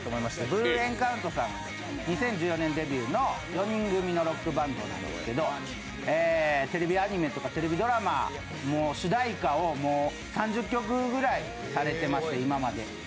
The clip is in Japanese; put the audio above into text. ＢＬＵＥＥＮＣＯＵＮＴさんは２０１４年デビューの４人組ロックバンドなんですけど、テレビアニメとかテレビドラマの主題歌を３０曲ぐらいされてまして、今まで。